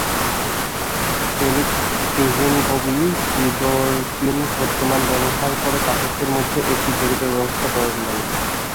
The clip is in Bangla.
ফেলিক্স ক্রিভিনকবি সিদোরকিন ছদ্মনাম ব্যবহার করে পাঠকদের মধ্যে একটি জরিপের ব্যবস্থা করলেন।